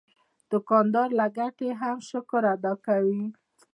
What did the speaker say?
دوکاندار له ګټې هم شکر ادا کوي.